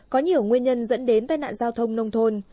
có nhiều nguyên nhân dẫn đến tai nạn giao thông nông thôn